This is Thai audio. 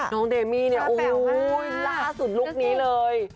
เดมี่เนี่ยโอ้โหล่าสุดลุคนี้เลย